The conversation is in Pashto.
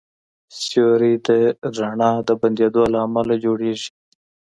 سیوری د رڼا د بندېدو له امله جوړېږي.